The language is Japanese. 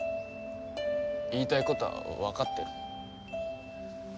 言いたいことはわかってる。